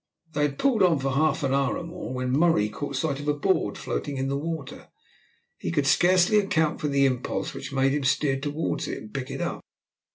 They had pulled on for half an hour or more when Murray caught sight of a board floating in the water. He could scarcely account for the impulse which made him steer towards it and pick it up.